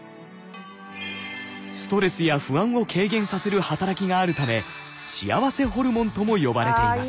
ストレスや不安を軽減させる働きがあるため幸せホルモンとも呼ばれています。